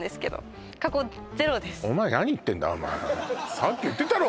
さっき言ってたろ？